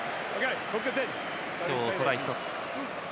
今日はトライが１つ。